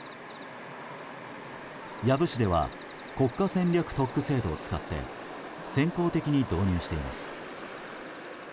養父市では国家戦略特区制度を使って先行的に導入しています。